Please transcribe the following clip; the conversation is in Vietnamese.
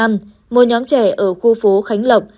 một nhóm trẻ ở khu phố khánh lộc